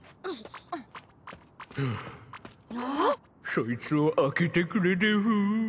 そいつを開けてくれでふ。